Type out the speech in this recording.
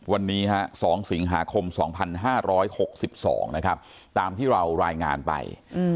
วันนี้๒สิงหาคม๒๕๖๒นะครับตามที่เรารายงานไป